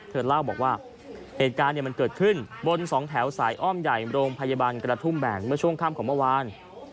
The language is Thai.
เธอเล่าบอกว่าเหตุการณ์มันเกิดขึ้นบนสองแถวสายอ้อมใหญ่โรงพยาบาลกระทุ่มแบ่งเมื่อช่วงค่ำของเมื่อวาน